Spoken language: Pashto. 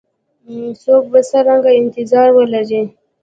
څوک به څرنګه انتظار ولري؟